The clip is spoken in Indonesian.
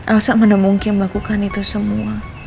asal mana mungkin melakukan itu semua